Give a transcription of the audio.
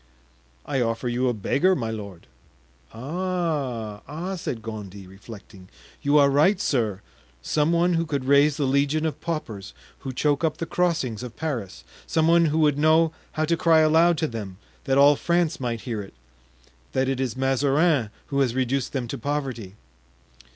"I offer you a beggar, my lord." "Ah! ah!" said Gondy, reflecting, "you are right, sir; some one who could raise the legion of paupers who choke up the crossings of Paris; some one who would know how to cry aloud to them, that all France might hear it, that it is Mazarin who has reduced them to poverty."